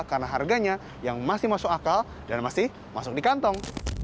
karena harganya yang masih masuk akal dan masih masuk di kantong